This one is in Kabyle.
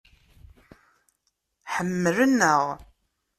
Ḥemmlen-aɣ.